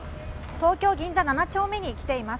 東京・銀座７丁目にきています。